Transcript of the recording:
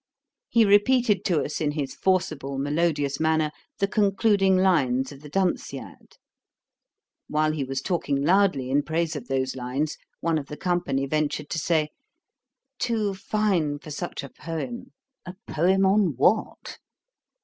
He repeated to us, in his forcible melodious manner, the concluding lines of the Dunciad. While he was talking loudly in praise of those lines, one of the company ventured to say, 'Too fine for such a poem: a poem on what?'